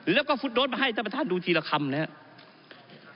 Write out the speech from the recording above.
แล้วก็ฟุตโดสมาให้ท่านประธานดูทีละคำนะครับ